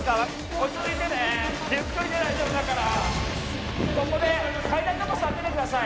落ち着いてねゆっくりで大丈夫そこで階段のとこ座っててください